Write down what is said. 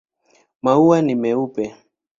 Maua ni meupe.